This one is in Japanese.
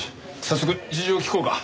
早速事情を聴こうか。